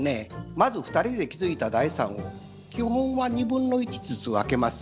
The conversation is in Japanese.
まず２人で築いた財産を基本は２分の１ずつ分けます。